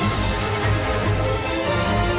tidak ada yang bisa dihukum